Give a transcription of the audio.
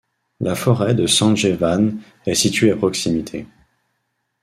La forêt de Sanjay Van est située à proximité.